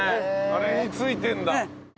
あれについてるんだ。